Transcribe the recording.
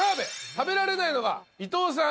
食べられないのが伊藤さん。